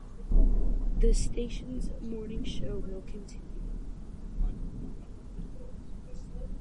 The station's morning show will continue.